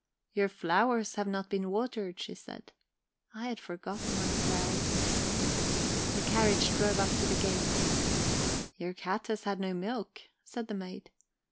"'Your flowers have not been watered,' she said. "I had forgotten my flowers. "A carriage drove up to the gate. "'Your cat has had no milk,' said the maid.